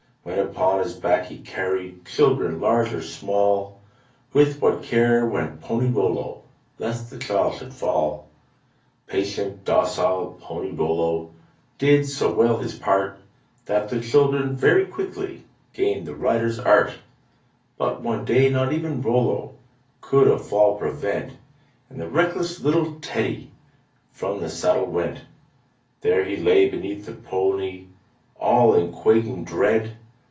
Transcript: When upon his back he carried Children large or small, With what care went Pony Rollo Lest the child should fall. Patient, docile Pony Rollo Did so well his part That the children very quickly Gained the rider's art. But one day not even Rollo Could a fall prevent, And the reckless little Teddy From the saddle went. There he lay beneath the pony, All in quaking dread.